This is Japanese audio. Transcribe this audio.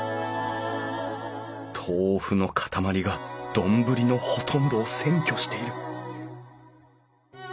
豆腐の塊が丼のほとんどを占拠している！